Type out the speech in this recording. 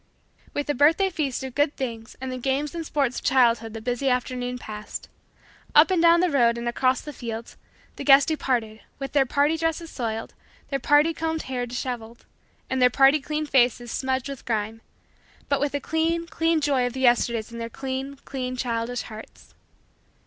With the birthday feast of good things and the games and sports of childhood the busy afternoon passed. Up and down the road and across the fields, the guests departed, with their party dresses soiled, their party combed hair disheveled, and their party cleaned faces smudged with grime; but with the clean, clean, joy of the Yesterdays in their clean, clean, childish hearts.